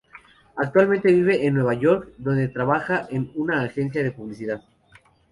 Actualmente vive en Nueva York, donde trabaja en una agencia de publicidad.